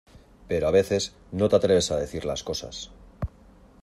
pero a veces no te atreves a decir las cosas